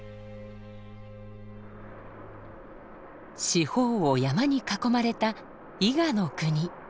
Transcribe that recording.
四方を山に囲まれた「伊賀国」。